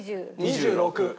２６。